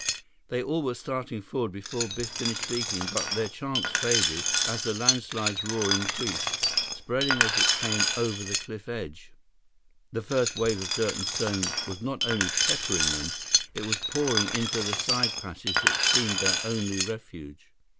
They all were starting forward before Biff finished speaking, but their chance faded as the landslide's roar increased. Spreading as it came over the cliff edge, the first wave of dirt and stone was not only peppering them; it was pouring into the side passage that seemed their only refuge.